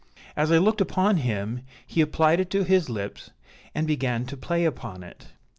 As I looked upon him, he applied it to his lips, and began to play upon it.